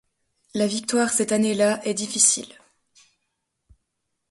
La victoire cette année-là est difficile.